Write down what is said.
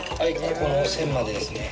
ここの線までですね。